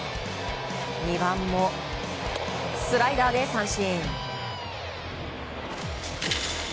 ２番もスライダーで三振。